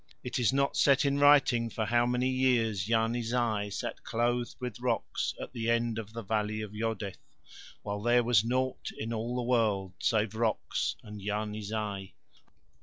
It is not set in writing for how many years Yarni Zai sat clothed with rocks at the end of the Valley of Yodeth, while there was nought in all the world save rocks and Yarni Zai.